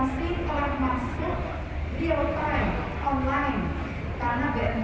kondisi angin bisa mencapai dua puluh knot dan arus laut bisa mencapai satu ratus lima puluh per detik